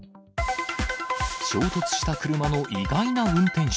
衝突した車の意外な運転手。